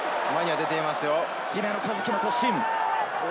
姫野和樹の突進。